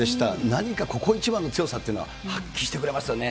何かここ一番の強さっていうのは、発揮してくれますよね。